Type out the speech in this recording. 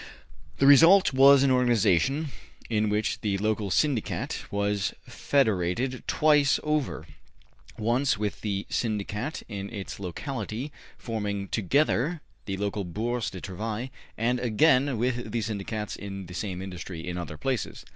The result was an organization in which the local Syndicat was fed erated twice over, once with the other Syndicat in its locality, forming together the local Bourse du Travail, and again with the Syndicats in the same industry in other places.